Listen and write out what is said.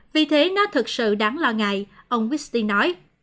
vì thế nó thực sự đáng lo ngại ông bisti nói